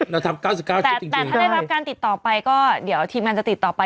เราทำ๙๙แต่ถ้าได้รับการติดต่อไปก็เดี๋ยวทีมงานจะติดต่อไป